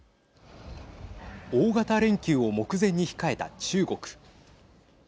大型連休を目前に控えた中国。